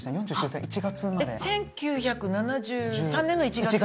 えっ１９７３年の１月？